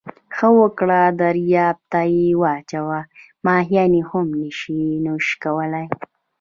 ښه وکړه درياب ته یې واچوه، ماهيان يې هم نسي نوش کولای.